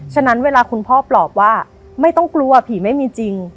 ฉะนั้นเวลาคุณพ่อปลอบว่าไม่ต้องกลัวผีไม่มีจริง